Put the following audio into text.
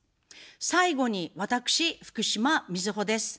最後に私、福島みずほです。